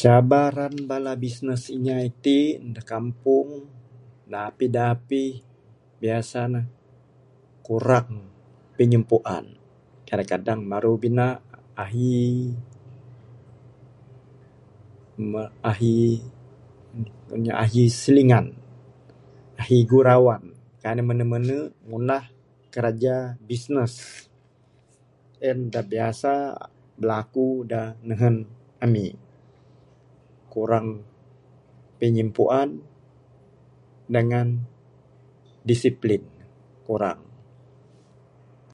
Cabaran bala business inya iti dak kampung dapih dapih biasa ne kurang pinyumpuan. Kadang kadang meru bina ahi ahi ahi silingan ahi gurauan, kai ne mene mene ngundah kiraja business en dak biasa bilaku dak nehen ami kurang pinyumpuan dengan disiplin kurang.